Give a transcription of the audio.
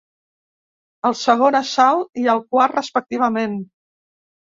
Al segon assalt i al quart, respectivament.